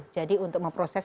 jadi untuk memproses